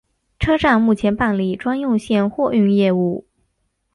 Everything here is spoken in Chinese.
车站目前办理专用线货运业务。